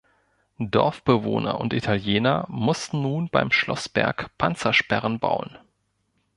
Dorfbewohner und Italiener mussten nun beim Schloßberg Panzersperren bauen.